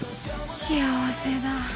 幸せだ。